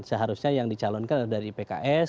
seharusnya yang dicalonkan dari pks